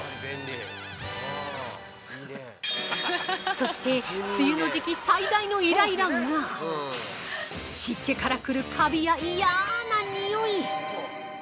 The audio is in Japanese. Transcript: ◆そして、梅雨の時期最大のイライラが湿気をから来るかびや嫌なにおい。